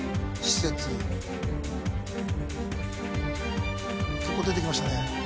施設結構出てきましたね